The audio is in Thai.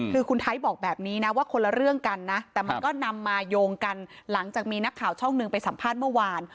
คือคุณไทยบอกแบบนี้นะว่าคนละเรื่องกันนะแต่มันก็นำมาโยงกันหลังจากมีนักข่าวช่องหนึ่งไปสัมภาษณ์เมื่อวาน